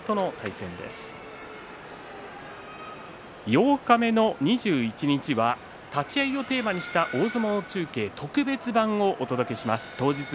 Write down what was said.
八日目の２１日は立ち合いをテーマにした大相撲中継特別版をお届けします。